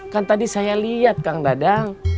kan tadi saya lihat kang dadang